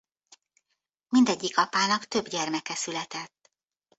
Mindegyik apának több gyermeke született.